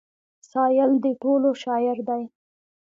سايل د ټولو شاعر دی.